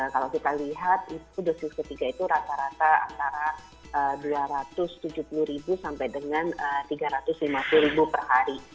kalau kita lihat itu dosis ketiga itu rata rata antara dua ratus tujuh puluh sampai dengan tiga ratus lima puluh per hari